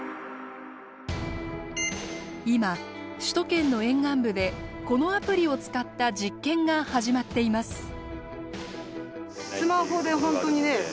首都圏の沿岸部でこのアプリを使った実験が始まっています。